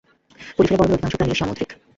Porifera পর্বের অধিকাংশ প্রাণী সামুদ্রিক।